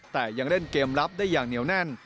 แต่ยังเล่นเกมรับได้อย่างเหนียวแน่น